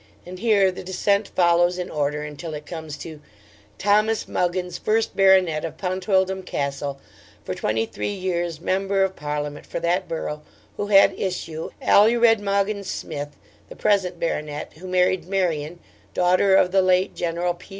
(And here the descent follows in order until it comes to) Thomas Muggins, first Baronet of Pontydwdlm Castle, for 23 years Member of Parliament for that borough, who had issue, Alured Mogyns Smyth, the present Baronet, who married Marian, daughter of the late general P.